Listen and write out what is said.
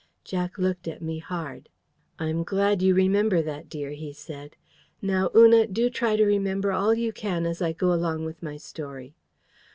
Jack looked at me hard. "I'm glad you remember that, dear," he said. "Now, Una, do try to remember all you can as I go along with my story...